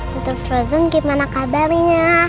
santa frozen gimana kabarnya